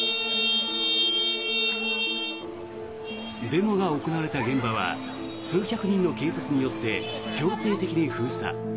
デモが行われた現場は数百人の警察によって強制的に封鎖。